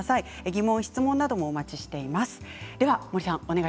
疑問質問などもお待ちしています。